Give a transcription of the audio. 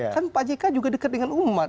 kan pak jk juga dekat dengan umat